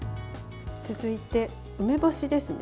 続いて、梅干しですね。